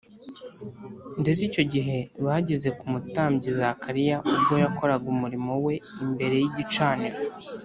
. Ndetse icyo gihe, bageze ku mutambyi Zakariya, ubwo yakoraga umurimo we imbere y’igicaniro